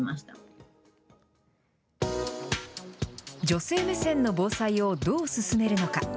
女性目線の防災をどう進めるのか。